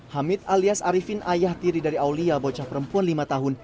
hamid alias arifin ayah tiri dari aulia bocah perempuan lima tahun